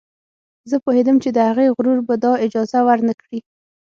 زه پوهېدم چې د هغې غرور به دا اجازه ور نه کړي